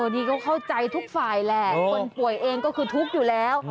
นี่ก็เข้าใจทุกฝ่ายแหละคนป่วยเองก็คือทุกข์อยู่แล้ว